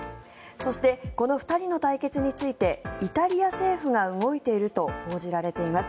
そして、この２人の対決についてイタリア政府が動いていると報じられています。